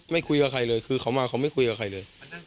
คุยกับใครเลยคือเขามาเขาไม่คุยกับใครเลย